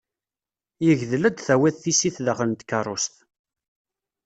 Yegdel ad d-tawiḍ tissit daxel n tkerrust.